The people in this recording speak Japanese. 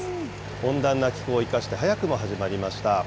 温暖な気候を生かして早くも始まりました。